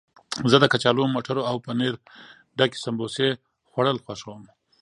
زه د کچالو، مټرو او پنیر ډکې سموسې خوړل خوښوم.